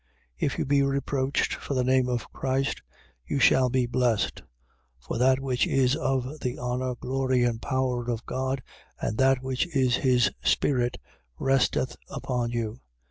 4:14. If you be reproached for the name of Christ, you shall be blessed: for that which is of the honour, glory and power of God, and that which is his Spirit resteth upon you.